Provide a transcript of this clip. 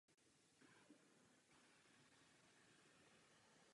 Jefferson ji nakonec přestal psát.